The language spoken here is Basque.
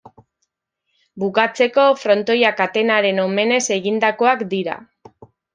Bukatzeko frontoiak Atenaren omenez egindakoak dira.